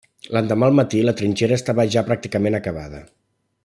L'endemà al matí la trinxera estava ja pràcticament acabada.